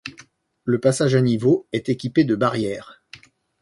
Le passage à niveau est équipé de barrières.